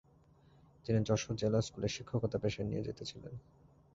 তিনি যশোর জেলা স্কুলে শিক্ষকতা পেশায় নিয়োজিত ছিলেন।